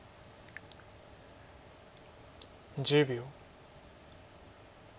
１０秒。